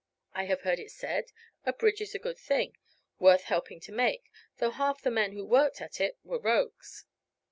I have heard it said, a bridge is a good thing worth helping to make, though half the men who worked at it were rogues."